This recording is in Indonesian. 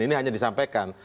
ini hanya disampaikan